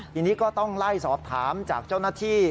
ทีนี้ก็ต้องไล่สอบถามจากเจ้าหน้าที่